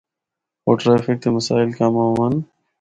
ہور ٹریفک دے مسائل کم ہون۔